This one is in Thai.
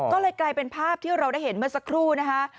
ก็เลยกลายเป็นภาพที่เราได้เห็นเมื่อสักครู่นะคะ